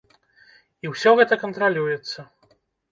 І ўсё гэта кантралюецца.